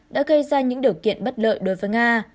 đã gây ra những điều kiện bất lợi đối với nga